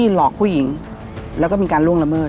หลอกผู้หญิงแล้วก็มีการล่วงละเมิด